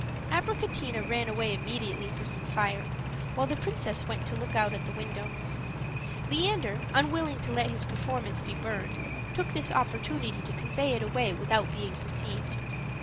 Abricotina ran away immediately for some fire, while the princess went to look out at the window. Leander, unwilling to let his performance be burned, took this opportunity to convey it away without being perceived.